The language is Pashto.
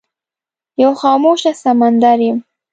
یو خاموشه سمندر یم